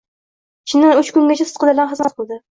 Chindan uch kungacha sidqidildan xizmat qildi.